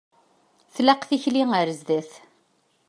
Tlaq tikli ar zdat.